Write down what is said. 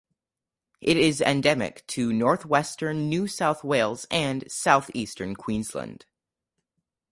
It is endemic to north western New South Wales and south eastern Queensland.